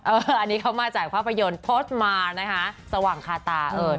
เอออันนี้เข้ามาจากภาพยนตร์โพสต์มารนะฮะสว่างคาตาเอิ้น